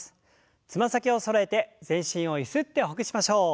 つま先をそろえて全身をゆすってほぐしましょう。